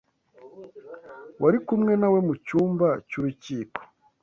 wari kumwe na we mu cyumba cy’urukiko